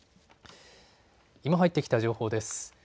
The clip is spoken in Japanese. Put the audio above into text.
今、入ってきた情報です。